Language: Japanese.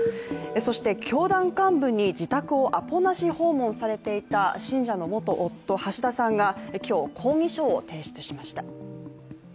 そして教団幹部に自宅をアポなし訪問されていた信者の元夫・橋田さんが今日、抗議書を提出しました。